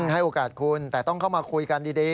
ให้โอกาสคุณแต่ต้องเข้ามาคุยกันดี